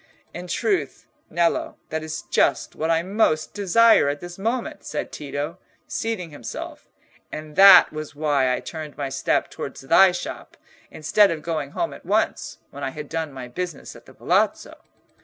"In truth, Nello, that is just what I most desire at this moment," said Tito, seating himself; "and that was why I turned my steps towards thy shop, instead of going home at once, when I had done my business at the Palazzo."